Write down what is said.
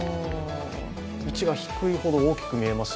位置が低いほど大きく見えますし